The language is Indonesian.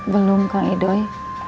belum kang idoi